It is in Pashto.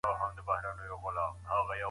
موږ باید د ټولنیز ژوند بېلابېل ډګرونه وپېژنو.